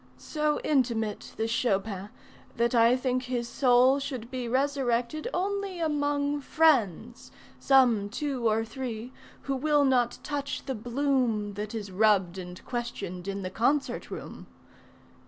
"So intimate, this Chopin, that I think his soul Should be resurrected only among friends Some two or three, who will not touch the bloom That is rubbed and questioned in the concert room."